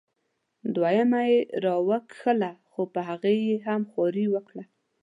دویمه یې را وښکله خو په هغې یې هم خواري وکړه.